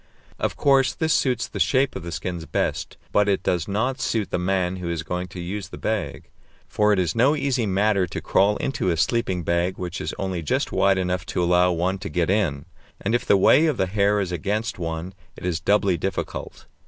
Of course this suits the shape of the skins best, but it does not suit the man who is going to use the bag. For it is no easy matter to crawl into a sleeping bag which is only just wide enough to allow one to get in, and if the way of the hair is against one it is doubly difficult.